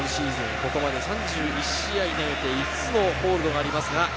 ここまで３０位試合を投げて５つのホールドがありますか。